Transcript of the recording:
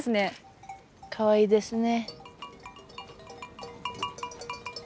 かわいいですね。